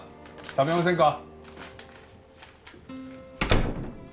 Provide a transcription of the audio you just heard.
食べませんか？